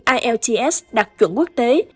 các đối tác từ ielts đặt chuẩn quốc tế